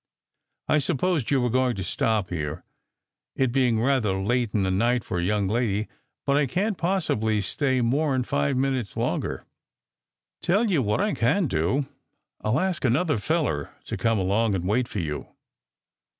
I sup posed you was going to stop here, it bein rather late in the night for a young lady, but I can t possibly stay rnore n five minutes longer. Tell you what I can do, I ll ask another feller to come along and wait for you."